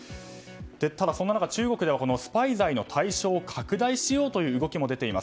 ただそんな中、中国ではスパイ罪の対象を拡大しようという動きも出ています。